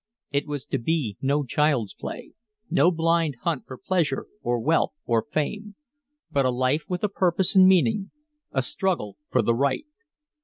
It was to be no child's play, no blind hunt for pleasure or wealth or fame, but a life with a purpose and meaning, a struggle for the right.